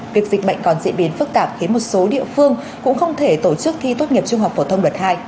việc dịch bệnh còn diễn biến phức tạp khiến một số địa phương cũng không thể tổ chức thi tốt nghiệp trung học phổ thông đợt hai